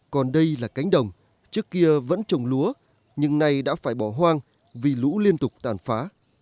còn đây là cánh đồng trước kia vẫn trồng lúa nhưng nay đã phải bỏ hoang vì lũ liên tục tàn phá